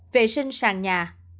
vệ sinh sàn nhà